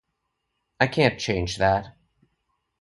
I can't change that.